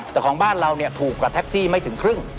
แต่ของบ้านเราเนี่ยถูกกว่าแท็กซี่ไม่ถึงครึ่ง